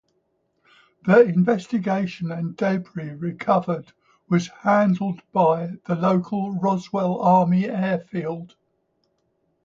The investigation and debris recovery was handled by the local Roswell Army Air Field.